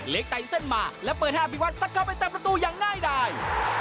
เล็กไตเซ็นมาและเปิดแห้งพิวัตรสักเข้าไปแต่ประตูอย่างง่ายได้